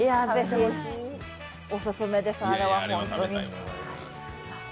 おすすめです、あれは本当に。